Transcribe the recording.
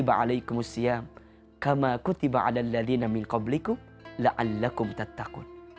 allah swt berfirman